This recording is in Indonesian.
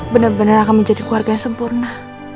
bener bener akan menjadi keluarga yang sempurna